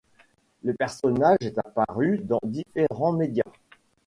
Le personnage est apparu dans différents médias.